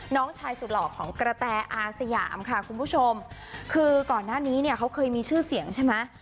น้องชายสุดหล่อของกระแตอาสยามค่ะคุณผู้ชมคือก่อนหน้านี้เนี่ยเขาเคยมีชื่อเสียงใช่ไหม